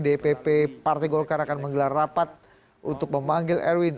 dpp partai golkar akan menggelar rapat untuk memanggil erwin